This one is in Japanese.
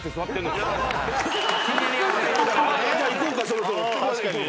「じゃあ行こうかそろそろ」って。